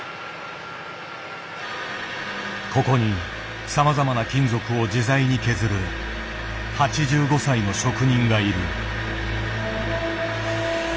ここにさまざまな金属を自在に削る８５歳の職人がいる。